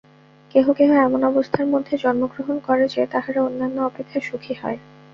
কেহ কেহ এমন অবস্থার মধ্যে জন্মগ্রহণ করে যে, তাহারা অন্যান্য অপেক্ষা সুখী হয়।